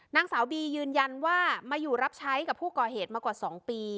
นางสาวบียืนยันว่ามาอยู่รับใช้กับผู้ก่อเหตุมากว่า๒ปี